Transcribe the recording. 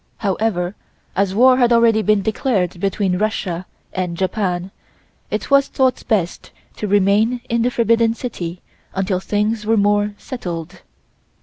However, as war had already been declared between Russia and Japan it was thought best to remain in the Forbidden City until things were more settled.